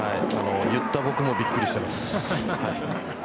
言った僕もびっくりしてます。